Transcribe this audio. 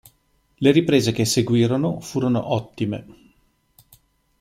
Le riprese che seguirono furono ottime.